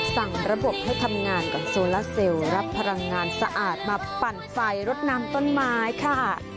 สั่งระบบให้ทำงานกับโซลาเซลรับพลังงานสะอาดมาปั่นไฟรดน้ำต้นไม้ค่ะ